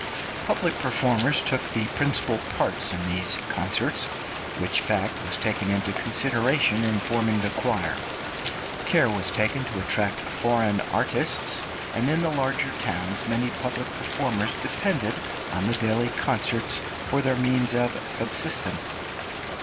} (289) Public performers took the principal parts in these concerts, which fact was taken into consideration in forming the choir; care was taken to attract foreign artists, and in the larger towns many public performers depended on the daily concerts for their means of subsistence.